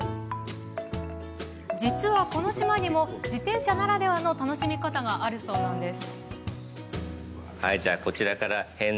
実はこの島にも自転車ならではの楽しみ方があるそうなんです。